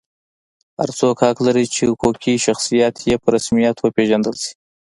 هر څوک حق لري چې حقوقي شخصیت یې په رسمیت وپېژندل شي.